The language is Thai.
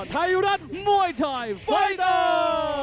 ไทยรัฐมวยไทยไฟเตอร์